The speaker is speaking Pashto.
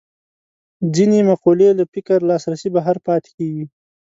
ځینې مقولې له فکر لاسرسي بهر پاتې کېږي